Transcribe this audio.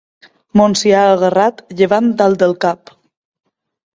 Montsià agarrat, llevant dalt del Cap.